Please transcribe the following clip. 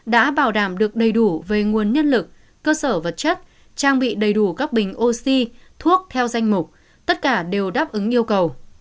đã bảo đảm được đầy đủ về nguồn nhân lực cơ sở vật chất trang bị đầy đủ các bình oxy thuốc theo danh mục tất cả đều đáp ứng yêu cầu